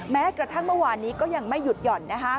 แม้กระทั่งเมื่อวานนี้ก็ยังไม่หยุดหย่อน